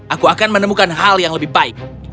aku akan menemukan hal yang lebih baik